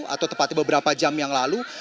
atau tepatnya beberapa jam yang lalu